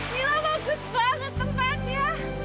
mila bagus banget tempatnya